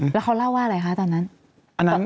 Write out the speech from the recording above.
แล้วเขาเล่าว่าอะไรคะตอนนั้น